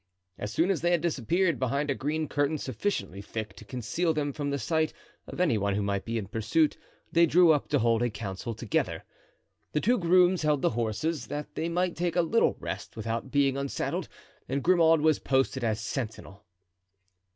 As soon as they had disappeared behind a green curtain sufficiently thick to conceal them from the sight of any one who might be in pursuit they drew up to hold a council together. The two grooms held the horses, that they might take a little rest without being unsaddled, and Grimaud was posted as sentinel.